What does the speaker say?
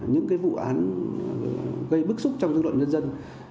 những cái vụ án gây bức xúc trong dân loạn nhân dân